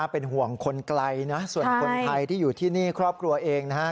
เป็นห่วงคนไกลนะส่วนคนไทยที่อยู่ที่นี่ครอบครัวเองนะฮะ